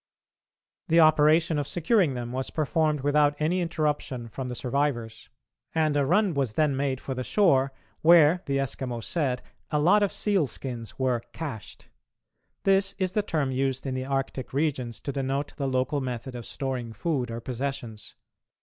The operation of securing them was performed without any interruption from the survivors, and a run was then made for the shore, where the Eskimo said a lot of seal skins were "cached." This is the term used in the Arctic regions to denote the local method of storing food or possessions.